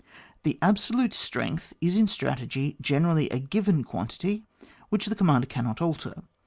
The absolute strength is in strategy generally a given quantity, which the commander cannot alter.